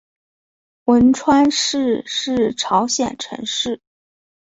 文川市是朝鲜城市。